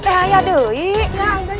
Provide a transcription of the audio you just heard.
itu saya yang sedang